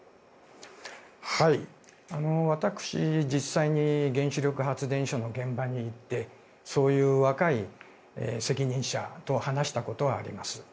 私、実施に原子力発電の現場に行ってそういう若い責任者と話したことがあります。